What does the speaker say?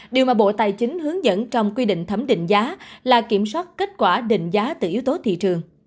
điều mà bộ tài chính hướng dẫn trong quy định thẩm định giá là kiểm soát kết quả định giá từ yếu tố thị trường